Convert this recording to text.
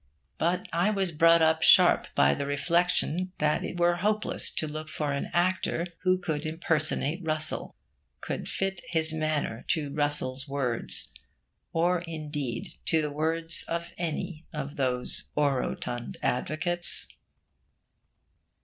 But I was brought up sharp by the reflection that it were hopeless to look for an actor who could impersonate Russell could fit his manner to Russell's words, or indeed to the words of any of those orotund advocates.